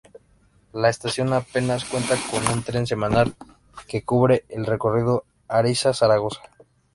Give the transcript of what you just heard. La estación apenas cuenta con un tren semanal que cubre el recorrido Ariza-Zaragoza.